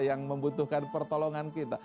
yang membutuhkan pertolongan kita